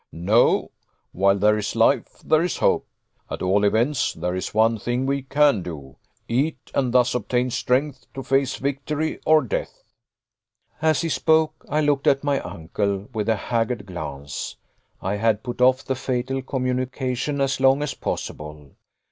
"No! While there is life there is hope. At all events, there is one thing we can do eat, and thus obtain strength to face victory or death." As he spoke, I looked at my uncle with a haggard glance. I had put off the fatal communication as long as possible.